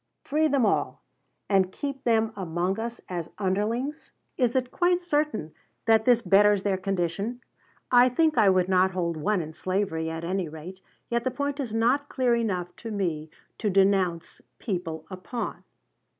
Free them all, and keep them among us as underlings? Is it quite certain that this betters their condition? I think I would not hold one in slavery, at any rate; yet the point is not clear enough to me to denounce people upon.